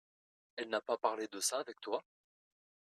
Elle n'a pas pas parlé de ça avec toi ?